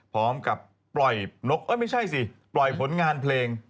พร้อมกับปล่อยนกเอ้ยไม่ใช่สิปล่อยผลงานเพลง